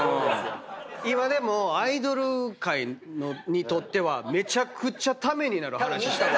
今でもアイドル界にとってはめちゃくちゃためになる話してる。